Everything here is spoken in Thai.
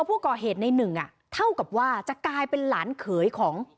ผู้ก่อเหตุในหนึ่งเท่ากับว่าจะกลายเป็นหลานเขยของ